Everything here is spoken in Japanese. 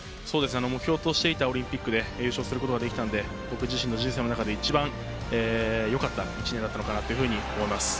目標としていたオリンピックで優勝することができたので、僕自身の人生の中で一番よかった１年だったのかなと思います。